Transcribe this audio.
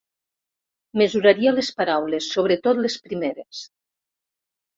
Mesuraria les paraules, sobretot les primeres.